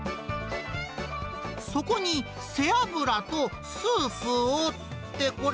そこに背脂とスープを、ってこれ？